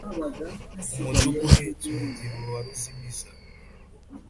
Umuduga uhetse umubyibuho wa ruzimiza